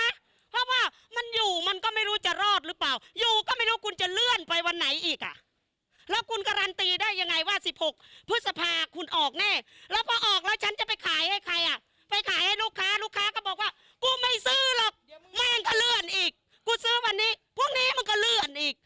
กูซื้อวันนี้พรุ่งนี้มันก็เลื่อนอีก